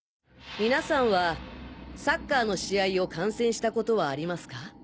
みなさんはサッカーの試合を観戦したことはありますか？